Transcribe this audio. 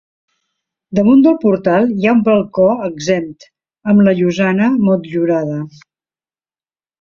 Damunt del portal hi ha un balcó exempt, amb la llosana motllurada.